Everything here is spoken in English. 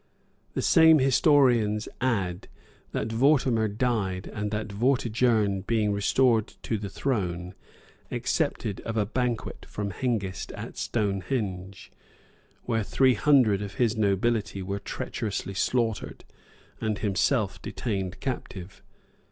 [] The same historians add, that Vortimer died; and that Vortigern, being restored to the throne, accepted of a banquet from Hengist, at Stonehenge, where three hundred of his nobility were treacherously slaughtered, and himself detained captive.